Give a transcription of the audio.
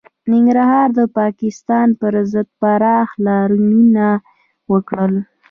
ننګرهاریانو د پاکستان پر ضد پراخ لاریونونه وکړل